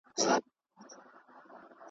خدای راکړي نعمتونه پرېمانۍ وې .